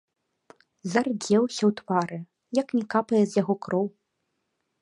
Зардзеўся ў твары, як не капае з яго кроў.